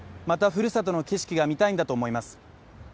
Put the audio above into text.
またふるさとの景色が見たいんだと思います。